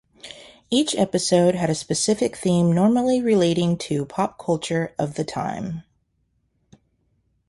Each episode had a specific theme normally relating to pop culture of the time.